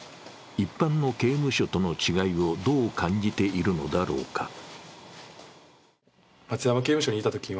一般の刑務所との違いをどう感じているのだろうか。